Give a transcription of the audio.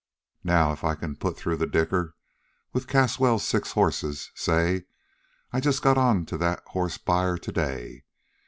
Now, if I can put through that dicker with Caswell's six horses say, I just got onto that horse buyer to day.